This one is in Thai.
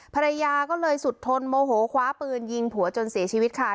ภรรยาก็เลยสุดทนโมโหคว้าปืนยิงผัวจนเสียชีวิตค่ะ